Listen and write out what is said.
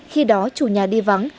khi đó chủ nhà đi vắng